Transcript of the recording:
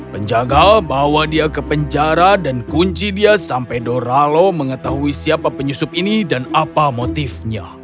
penjaga bawa dia ke penjara dan kunci dia sampai doralo mengetahui siapa penyusup ini dan apa motifnya